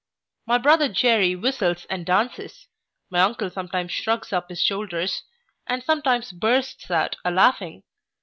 My brother Jery whistles and dances. My uncle sometimes shrugs up his shoulders, and sometimes bursts out a laughing.